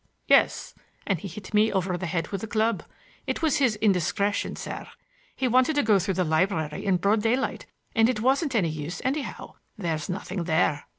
"Yes, and he hit me over the head with a club. It was his indiscretion, sir. He wanted to go through the library in broad daylight, and it wasn't any use, anyhow. There's nothing there."